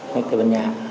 nói tới với nhà